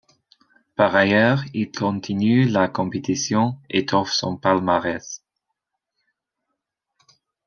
Par ailleurs, il continue la compétition, étoffe son palmarès.